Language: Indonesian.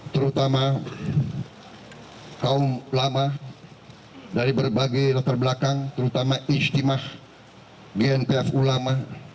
terutama kaum ulama dari berbagai latar belakang terutama istimah gnpf ulama